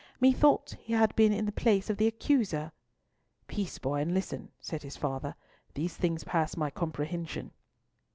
"Methought he had been in the place of the accuser." "Peace, boy, and listen," said his father; "these things pass my comprehension."